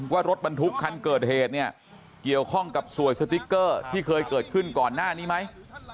ว่ารถบรรทุกคันเกิดเหตุเนี่ยเกี่ยวข้องกับสวยสติ๊กเกอร์ที่เคยเกิดขึ้นก่อนหน้านี้ไหม